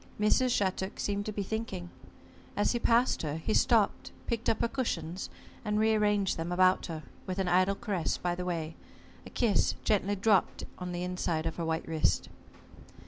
Mrs. Shattuck seemed to be thinking. As he passed her, he stopped, picked up her cushions, and re arranged them about her, with an idle caress by the way, a kiss gently dropped on the inside of her white wrist.